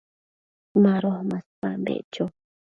Mado maspan beccho